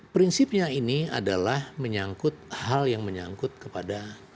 prinsipnya ini adalah menyangkut hal yang menyangkut kepada